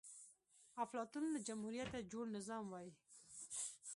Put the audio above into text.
افلاطون له جمهوريته جوړ نظام وای